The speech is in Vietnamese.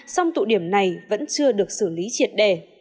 song tụ điểm này vẫn chưa được xử lý triệt đề